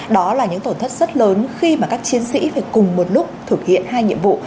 đó là những tổn thất rất lớn khi mà các chiến sĩ phải cùng một lúc thực hiện hai nhiệm vụ